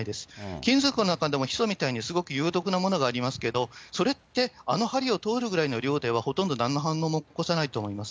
金属の中でもひ素みたいにひどく有毒なものがありますけど、それってあの針を通るぐらいの量では、ほとんどなんの反応も起こさないと思います。